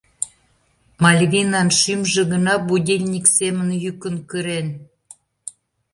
Мальвинан шӱмжӧ гына будильник семын йӱкын кырен.